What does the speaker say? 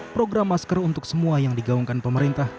program masker untuk semua yang digaungkan pemerintah